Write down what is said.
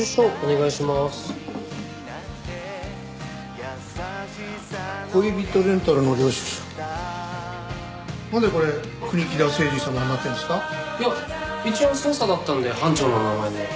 いや一応捜査だったんで班長の名前で。